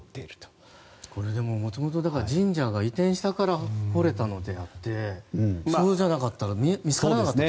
でも、元々神社が移転したから掘れたんであってそうじゃなかったら見つからなかったと。